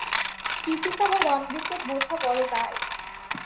দীপিকা বা রণবীরকে বোঝা বড় দায়।